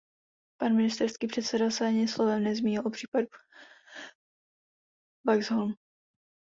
Pan ministerský předseda se ani slovem nezmínil o případu Vaxholm.